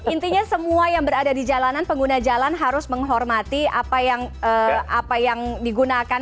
intinya semua yang berada di jalanan pengguna jalan harus menghormati apa yang digunakan